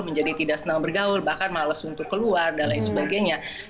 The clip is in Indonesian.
menjadi tidak senang bergaul bahkan males untuk keluar dan lain sebagainya